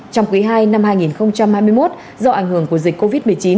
trong quý ii năm hai nghìn hai mươi một do ảnh hưởng của dịch covid một mươi chín